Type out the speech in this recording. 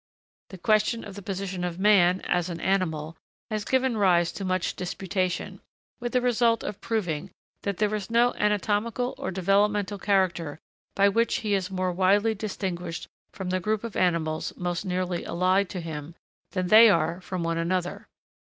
The question of the position of man, as an animal, has given rise to much disputation, with the result of proving that there is no anatomical or developmental character by which he is more widely distinguished from the group of animals most nearly allied to him, than they are from one another.